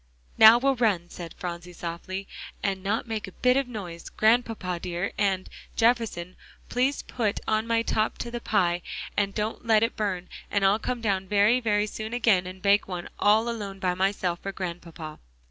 "Now we'll run," said Phronsie softly, "and not make a bit of noise, Grandpapa dear, and, Jefferson, please put on my top to the pie, and don't let it burn, and I'll come down very, very soon again, and bake one all alone by myself for Grandpapa."